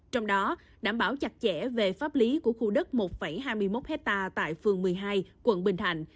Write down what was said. trong đó đảm bảo chặt chẽ về pháp lý của khu đất một hai mươi một hectare tại phường một mươi hai quận bình thạnh